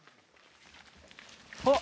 あっ。